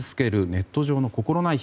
ネット上の心ない